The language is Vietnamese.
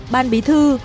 ban bí thư